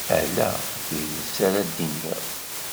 Ala tidet ara d-iniɣ.